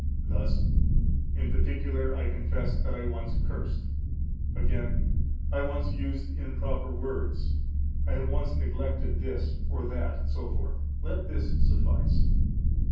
Thus: In particular I confess that I once cursed; again, I once used improper words, I have once neglected this or that, etc. Let this suffice.